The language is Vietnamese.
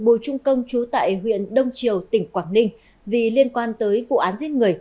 bùi trung công chú tại huyện đông triều tỉnh quảng ninh vì liên quan tới vụ án giết người